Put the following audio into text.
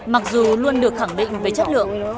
mặc dù luôn được khẳng định với chất lượng